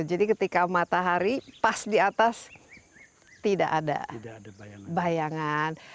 jadi ketika matahari pas di atas tidak ada bayangan